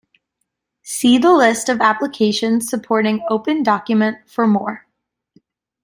See the List of applications supporting OpenDocument for more.